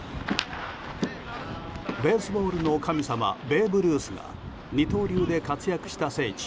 ベースボールの神様ベーブ・ルースが二刀流で活躍した聖地